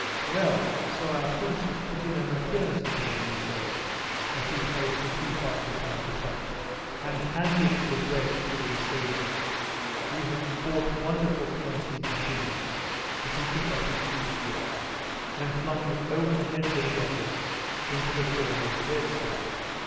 "Well, so our prince has put in an appearance again," he said, as he placed the teapot beside the cups, and handed the bread to Rintzeva. "We have bought wonderful things," he continued, as he took off his sheepskin, and flung it over the heads of the others into the corner of the bedstead.